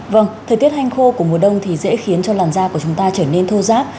vâng thời tiết hanh khô của mùa đông thì dễ khiến cho làn da của chúng ta trở nên thô giáp